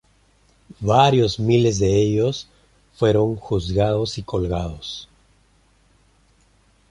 Varios miles de ellos fueron juzgados y colgados.